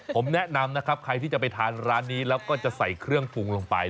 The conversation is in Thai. ผมแนะนำนะครับใครที่จะไปทานร้านนี้แล้วก็จะใส่เครื่องปรุงลงไป